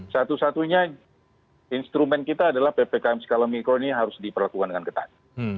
satu satunya instrumen kita adalah ppkm skala mikro ini harus diperlakukan dengan ketat